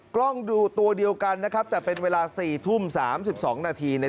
กล้องดูตัวเดียวกันนะครับแต่เป็นเวลา๔ทุ่ม๓๒นาทีเนี่ย